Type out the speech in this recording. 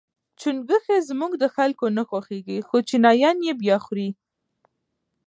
چونګښي زموږ د خلکو نه خوښیږي خو چینایان یې با خوري.